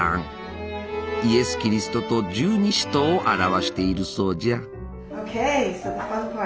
イエス・キリストと十二使徒を表しているそうじゃ。